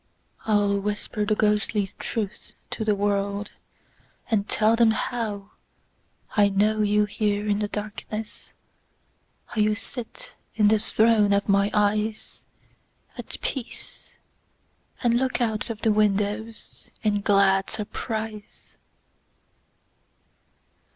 I'll whisper the ghostly truth to the worldAnd tell them howI know you here in the darkness, How you sit in the throne of my eyesAt peace, and look out of the windowsIn glad surprise.